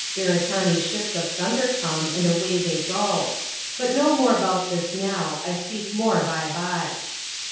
Beretanee ships of thunder come, and awaj they go. But no mtae *bout this now. I speak more by by.